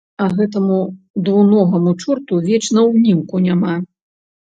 А гэтаму двуногаму чорту вечна ўнімку няма.